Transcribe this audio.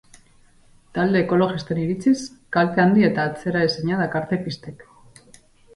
Talde ekologisten iritziz kalte handi eta atzeraezina dakarte pistek.